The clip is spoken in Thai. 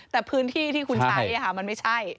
แต่พื้นที่ที่คุณใช้มันไม่ใช่